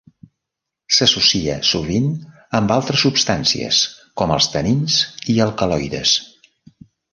S'associa sovint amb altres substàncies, com els tanins i alcaloides.